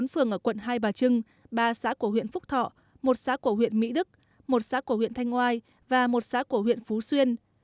bốn phường ở quận hai bà trưng ba xã của huyện phúc thọ một xã của huyện mỹ đức một xã của huyện thanh ngoai và một xã của huyện phú xuyên